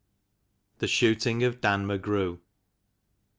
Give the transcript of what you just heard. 30 THE SHOOTING OF DAN McGREW.